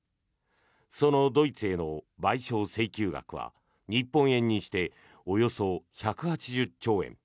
そのドイツへの賠償請求額は日本円にしておよそ１８０兆円。